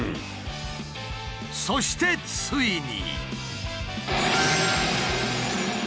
そしてついに！